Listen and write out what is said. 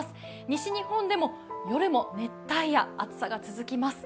西日本でも夜も熱帯や、暑さが続きます。